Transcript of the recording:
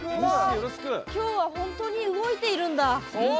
きょうは本当に動いてるんだ！